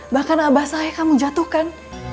bahkan abah saya kamu jatuhkan